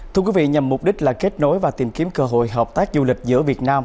thưa quý vị nhằm mục đích là kết nối và tìm kiếm cơ hội hợp tác du lịch giữa việt nam